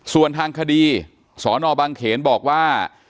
ส่วนทางคดีสนบังเขนบอกว่า